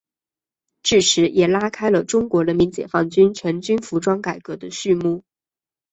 自此也拉开了中国人民解放军全军服装改革的序幕。